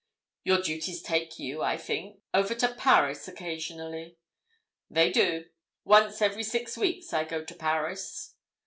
"Your duties take you, I think, over to Paris occasionally?" "They do—once every six weeks I go to Paris."